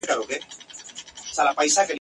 نه محتاجه د بادار نه د انسان یو ..